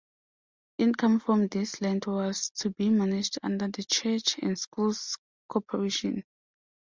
Income from this land was to be managed under the Church and Schools Corporation.